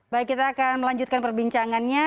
baik kita akan melanjutkan perbincangannya